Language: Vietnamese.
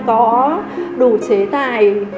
có đủ chế tài